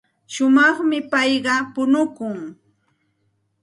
Shumaqmi payqa punukun.